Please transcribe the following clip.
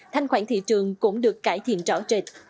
thanh khoản thị trường cũng được cải thiện trỏ trệt